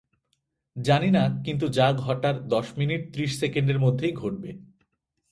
জানি না, কিন্তু যা ঘটার দশ মিনিট ত্রিশ সেকেন্ডের মধ্যেই ঘটবে।